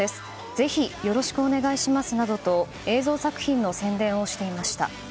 ぜひよろしくお願いしますなどと映像作品の宣伝をしていました。